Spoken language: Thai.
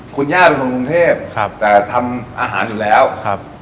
คุณย่าเป็นคนกรุงเทพครับแต่ทำอาหารอยู่แล้วครับ